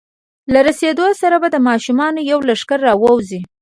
له رسېدو سره به د ماشومانو یو لښکر راوځي.